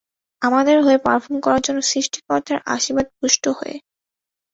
আমাদের হয়ে পারফর্ম করার জন্য, সৃষ্টিকর্তার আশীর্বাদ পুষ্ট হয়ে।